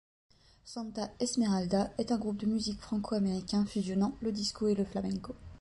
Santa Esmeralda est un groupe de musique franco-américain fusionnant le disco et le flamenco.